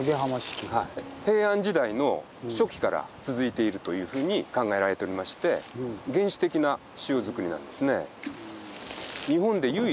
平安時代の初期から続いているというふうに考えられておりまして原始的な塩作りなんですね。